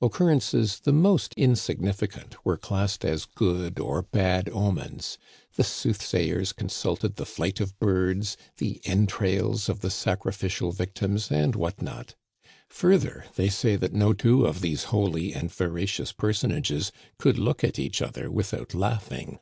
Occurrences the most insignifi cant were classed as good or bad omens. The sooth sayers consulted the flight of birds, the entrails of the Digitized by VjOOQIC 256 THE CANADIANS OF OLD, sacrificial victims, and what not ! Further, they say that no two of these holy and veracious personages could look at each other without laughing."